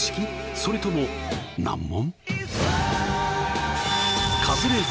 それとも難問？